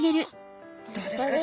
どうですか？